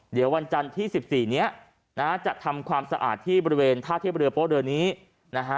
เดี๋ยววันจันทร์ที่๑๔นี้นะฮะจะทำความสะอาดที่บริเวณท่าเทียบเรือโป๊เรือนี้นะฮะ